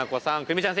泉ちゃん